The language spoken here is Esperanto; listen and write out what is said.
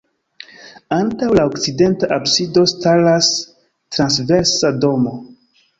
Antaŭ la okcidenta absido staras transversa domo.